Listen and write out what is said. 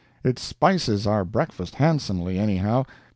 It spices our breakfast handsomely, anyhow.